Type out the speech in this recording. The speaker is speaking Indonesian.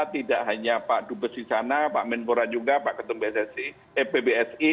tidak hanya pak dubes di sana pak menpora juga pak ketum pssi pbsi